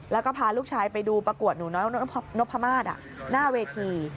แล้วก็พาลูกฉันไปดูประกวดหนูน้็งหนบพมหมาตย์หน้าเวที